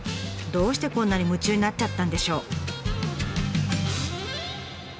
どうしてこんなに夢中になっちゃったんでしょう？